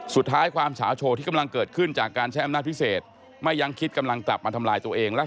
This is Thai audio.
สุดท้ายความเฉาโชว์ที่กำลังเกิดขึ้นจากการใช้อำนาจพิเศษไม่ยังคิดกำลังกลับมาทำลายตัวเองและ